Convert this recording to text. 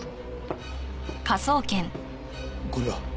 これは？